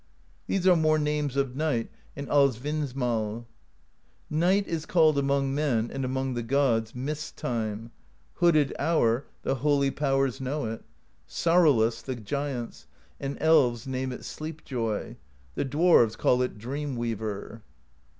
These are more names of Night in Ahvinnsmal: Night 't is called among men. And among the gods, Mist Time; Hooded Hour the Holy Powers know it; Sorrowless the giants. And elves name it Sleep Joy; The dwarves call it Dream Weaver.